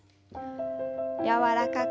柔らかく。